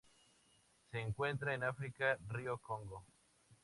Se encuentran en África: Río Congo.